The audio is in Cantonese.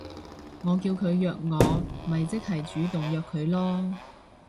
我叫佢約我咪即係主動約佢囉